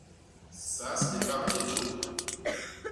Sas libak li jô.